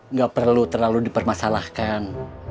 nggak perlu terlalu dipermasalahkan